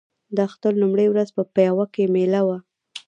د اختر لومړۍ ورځ په پېوه کې مېله وه.